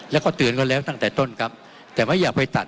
แล้วก็เตือนเขาแล้วตั้งแต่ต้นครับแต่ว่าอย่าไปตัด